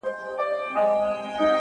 افسوس كوتر نه دى چي څوك يې پـټ كړي؛